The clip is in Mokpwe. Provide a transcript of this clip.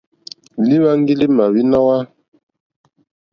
Lîhwáŋgí lì mà wíná hwá.